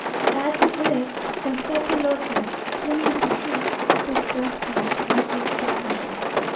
Add to this, the sopilotes cleaning the streets, disgusting, but useful scavengers.